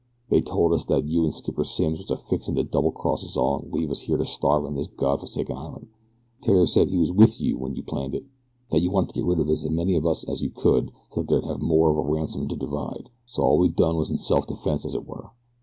They told us that you an' Skipper Simms was a fixin' to double cross us all an' leave us here to starve on this Gawd forsaken islan'. Theriere said that he was with you when you planned it. That you wanted to git rid o' as many of us as you could so that you'd have more of the ransom to divide. So all we done was in self defense, as it were.